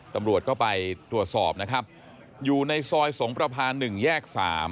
ตำรวจก็ไปตรวจสอบนะครับอยู่ในซอยสงประพา๑แยก๓